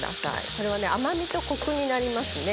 これは甘みとコクになりますね。